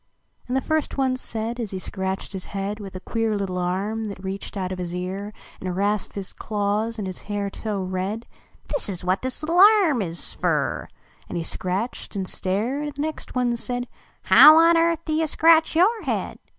And the first one said, as he scratched his head With a queer little arm that reached out of his ear And rasped its claws in his hair so red " This is what this little arm is fer !" And he scratched and stared, and the next one said, " How on earth do you scratch your head?"